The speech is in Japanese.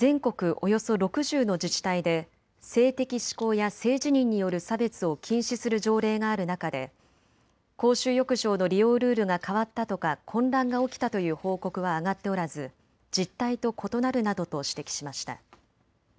およそ６０の自治体で性的指向や性自認による差別を禁止する条例がある中で公衆浴場の利用ルールが変わったとか混乱が起きたという報告は上がっておらず実態と異なるなどと指摘しました。